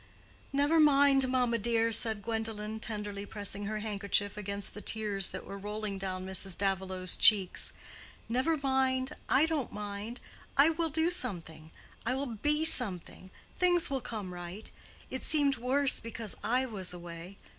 "Never mind, mamma dear," said Gwendolen, tenderly pressing her handkerchief against the tears that were rolling down Mrs. Davilow's cheeks. "Never mind. I don't mind. I will do something. I will be something. Things will come right. It seemed worse because I was away.